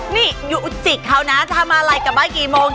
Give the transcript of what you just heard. มาศักดิ์เก้านะทำอะไรกับบ้านกี่โมง